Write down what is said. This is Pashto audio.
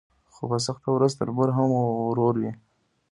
خو په سخته ورځ تربور هم ورور وي.